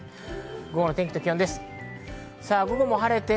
午後の天気と気温です。